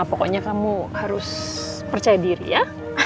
pokoknya kamu harus percaya diri ya